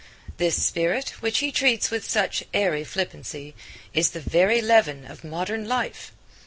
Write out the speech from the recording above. This spirit, which he treats with such airy flippancy, is the very leaven of modern life.